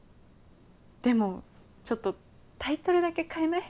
でもちょっとタイトルだけ変えない？